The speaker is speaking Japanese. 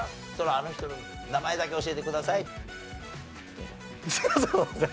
あの人の名前だけ教えてくださいって。